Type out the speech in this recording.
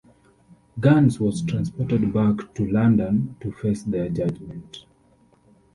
Gans was transported back to London to face their judgment.